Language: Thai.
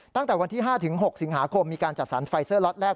ตั้งแต่วันที่๕๖สิงหาคมมีการจัดสรรไฟเซอร์ล็อตแรก